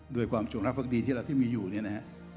ความจงรักภักดีที่เราที่มีอยู่เนี่ยนะฮะ